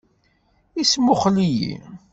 Ismuxell-iyi.